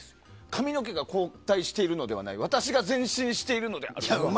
髪が後退しているのではない私が前進しているのだ。